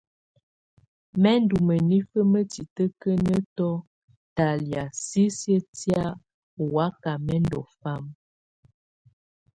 Mɛ̀ ndù mǝnifǝ ma titǝkǝniǝtɔ talɛ̀á sisiǝ́ tɛ̀á ɔ waka mɛ ndù fama.